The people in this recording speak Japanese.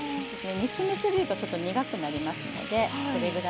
煮詰め過ぎるとちょっと苦くなりますのでこれぐらいで。